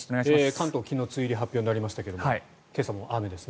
関東、昨日梅雨入り発表になりましたが今朝も雨ですね。